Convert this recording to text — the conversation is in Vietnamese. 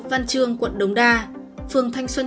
văn trương quận đồng đa phường thanh xuân